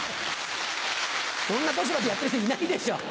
そんな年までやってる人いないでしょ。